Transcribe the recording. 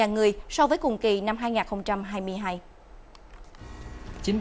một người so với cùng kỳ năm hai nghìn hai mươi hai